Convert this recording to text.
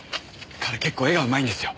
彼結構絵が上手いんですよ。